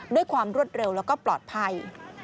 ด้วยความรวดเร็วแล้วก็ปลอดภัย